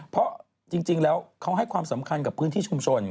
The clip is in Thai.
เพราะจริงแล้วเขาให้ความสำคัญกับพื้นที่ชุมชน